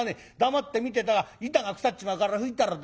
黙って見てたら板が腐っちまうから拭いたらどうだ。